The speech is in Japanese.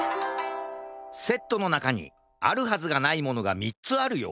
セットのなかにあるはずがないものが３つあるよ。